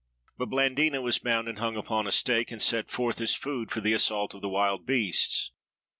"But Blandina was bound and hung upon a stake, and set forth as food for the assault of the wild beasts.